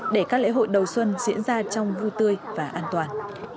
để các lễ hội đầu xuân diễn ra trong vui tươi và an toàn